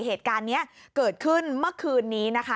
เหตุการณ์นี้เกิดขึ้นเมื่อคืนนี้นะคะ